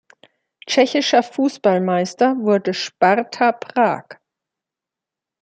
Tschechischer Fußballmeister wurde Sparta Prag.